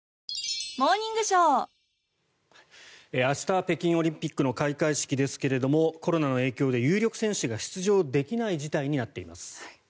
明日、北京オリンピックの開会式ですけれどもコロナの影響で有力選手が出場できない事態になっています。